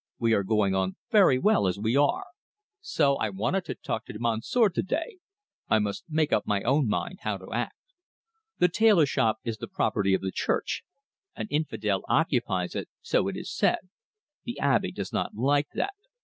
We are going on very well as we are. So I wanted to talk to Monsieur to day. I must make up my own mind how to act. The tailor shop is the property of the Church. An infidel occupies it, so it is said; the Abbe does not like that.